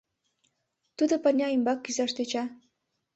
Тудо пырня ӱмбак кӱзаш тӧча.